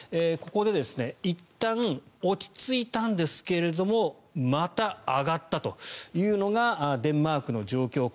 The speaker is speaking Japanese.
ここでいったん落ち着いたんですがまた上がったというのがデンマークの状況。